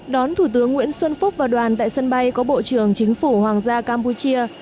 đón thủ tướng nguyễn xuân phúc và đoàn tại sân bay có bộ trưởng chính phủ hoàng gia campuchia